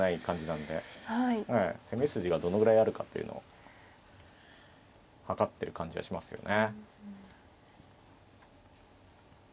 攻め筋がどのぐらいあるかっていうのを計ってる感じがしますよね。